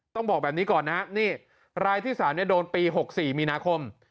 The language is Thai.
ต้องบอกแบบนี้ก่อนนะนี่รายที่๓โดนปี๖๔มีนาคม